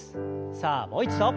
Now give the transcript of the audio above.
さあもう一度。